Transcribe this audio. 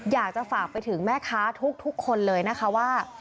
อยากจะฝากไปถึงแม่ค้าทุกคนเลยนะคะว่า